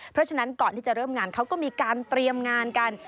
เพราะฉะนั้นก่อนที่จะเริ่มงานเขาก็มีการเตรียมงานกัน